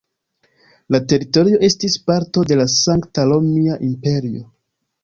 La teritorio estis parto de la Sankta Romia Imperio.